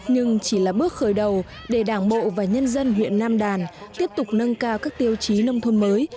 nhưng chỉ là bước khởi đầu để đảng bộ và nhân dân huyện nam đàn tiếp tục nâng cao các tiêu chí nông thôn mới